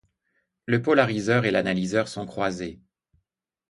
Le polariseur et l'analyseur sont croisés.